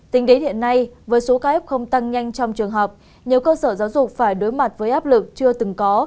tính đến hiện nay với số kf tăng nhanh trong trường học nhiều cơ sở giáo dục phải đối mặt với áp lực chưa từng có